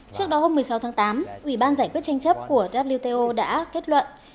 trước đó hôm một mươi sáu tháng tám ủy ban giải quyết tranh chấp của wto đã kết luận